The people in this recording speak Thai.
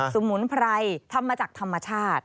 สมุนไพรทำมาจากธรรมชาติ